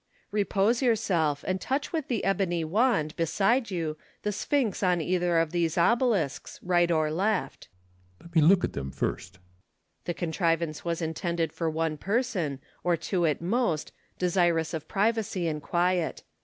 Repose yourself, and touch with the ebony wand, beside you, the sp'hynx on either of those obelisks, right or left, Ccesar. Let me look at them first, Lucullus. The contrivance was intended for one person, or two at most, desirous of privacy and quiet.